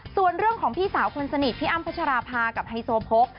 ส่วนเรื่องของพี่สาวคนสนิทพี่อ้ำพัชราภากับไฮโซโพก